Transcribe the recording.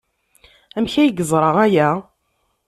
Amek ay yeẓra aya?